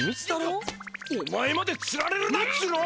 お前までつられるなっつうの！